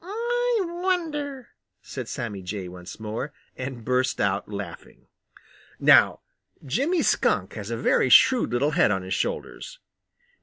"I wonder," said Sammy Jay once more, and burst out laughing. Now Jimmy Skunk has a very shrewd little head on his shoulders.